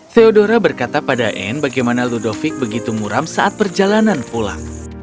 theodora berkata pada anne bagaimana ludovic begitu muram saat perjalanan pulang